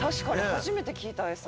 初めて聞いたエサ。